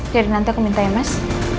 jadi nanti aku minta ya mas